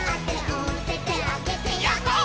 「おててあげてやっほー☆」